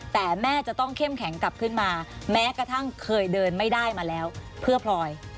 แต่แม่จะต้องเข้มแข็งกลับขึ้นมาแม้กระทั่งเคยเดินไม่ได้มาแล้วเพื่อพลอย